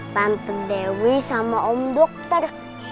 tante dewi sama om dokter